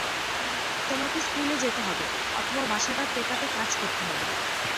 তোমাকে স্কুলে যেতে হবে, অথবা বাসাটা টেকাতে কাজ করতে হবে।